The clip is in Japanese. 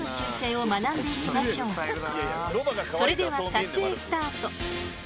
それでは撮影スタート。